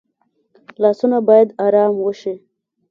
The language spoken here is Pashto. لاسونه باید آرام وشي